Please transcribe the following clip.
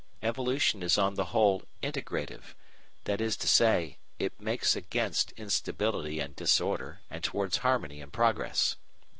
Evolution is on the whole integrative; that is to say, it makes against instability and disorder, and towards harmony and progress.